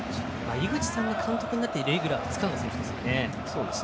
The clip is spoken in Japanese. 井口さんが監督になってレギュラーをつかんだ選手です。